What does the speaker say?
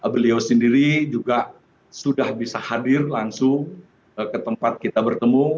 beliau sendiri juga sudah bisa hadir langsung ke tempat kita bertemu